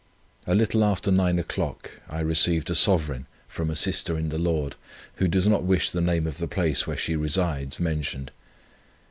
"A little after nine o'clock I received a sovereign from a sister in the Lord, who does not wish the name of the place, where she resides, mentioned.